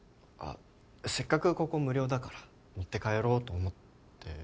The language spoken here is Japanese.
あっせっかくここ無料だから持って帰ろうと思って。